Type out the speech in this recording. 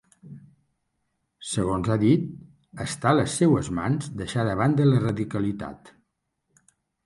Segons ha dit, “està a les seues mans deixar de banda la radicalitat”.